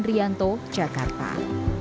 seharusnya akan memiliki kekuatan yang lebih baik